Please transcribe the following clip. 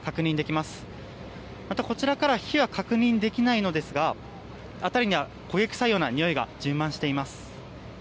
またこちらからは火は確認できないのですが辺りには焦げ臭いにおいが充満しています。